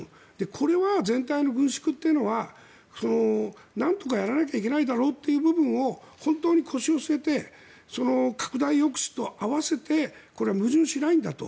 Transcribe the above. これは全体の軍縮というのはなんとかやらなきゃいけないだろうという部分を本当に腰を据えて拡大抑止と併せてこれは矛盾しないんだと。